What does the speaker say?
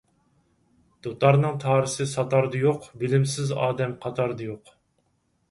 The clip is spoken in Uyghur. دۇتارنىڭ تارىسى ساتاردا يوق، بىلىمسىز ئادەم قاتاردا يوق.